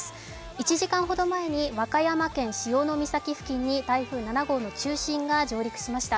１時間ほど前に和歌山県潮岬付近に台風７号の中心部分が上陸しました。